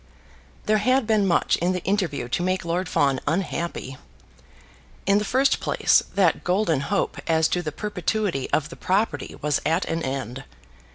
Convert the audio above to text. There had been much in the interview to make Lord Fawn unhappy. In the first place, that golden hope as to the perpetuity of the property was at an end.